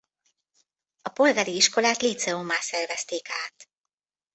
A polgári iskolát líceummá szervezték át.